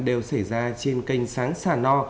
đều xảy ra trên kênh sáng sà no